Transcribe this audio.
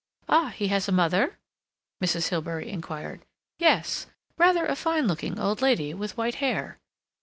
"Ah, he has a mother?" Mrs. Hilbery inquired. "Yes. Rather a fine looking old lady, with white hair."